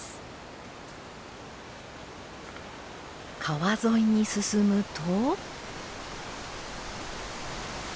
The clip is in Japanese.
川沿いに進むと。